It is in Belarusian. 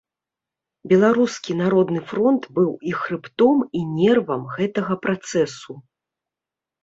Беларускі народны фронт быў і хрыбтом, і нервам гэтага працэсу.